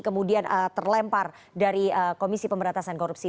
kemudian terlempar dari komisi pemberantasan korupsi